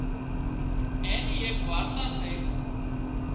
اين نِِي ايڪ وارتا سي